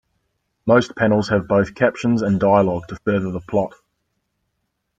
Most panels have both captions and dialogue to further the plot.